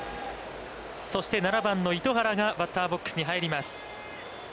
そして、７番の糸原がバッターボックスに入ります。